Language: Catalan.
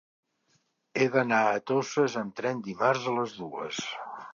He d'anar a Toses amb tren dimarts a les dues.